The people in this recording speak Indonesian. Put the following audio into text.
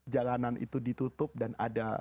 jalanan itu ditutup dan ada